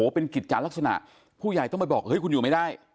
เป็นกิจการลักษณะผู้ใหญ่ต้องไปบอกเฮ้ยคุณอยู่ไม่ได้